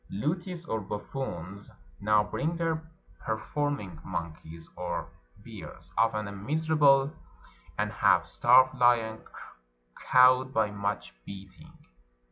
Lutis or buffoons now bring their performing mon keys or bears — often a miserable and half starved lion cowed by much beating.